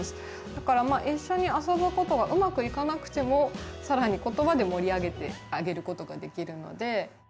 だからまあ一緒に遊ぶことがうまくいかなくても更に言葉で盛り上げてあげることができるので。